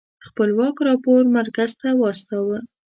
خپلواک راپور مرکز ته واستوه.